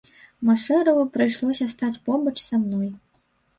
Машэраву прыйшлося стаць побач са мной.